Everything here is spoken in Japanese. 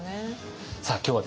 さあ今日はですね